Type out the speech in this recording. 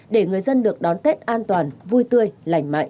để người dân được đón tết an toàn vui tươi lành mạnh